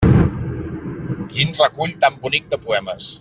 Quin recull tan bonic de poemes!